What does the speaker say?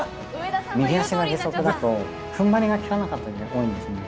右足が義足だとふんばりが利かなかったりが多いんですね。